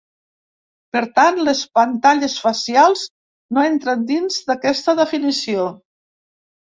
Per tant, les pantalles facials no entren dins d’aquesta definició.